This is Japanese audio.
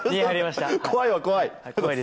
怖いは怖い？